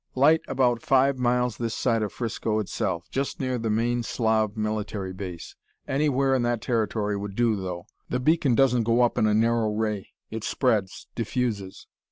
"Light about five miles this side of Frisco itself, just near the main Slav military base. Anywhere in that territory would do, though. The beacon doesn't go up in a narrow ray; it spreads, diffuses.